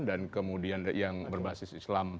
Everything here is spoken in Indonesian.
dan kemudian yang berbasis islam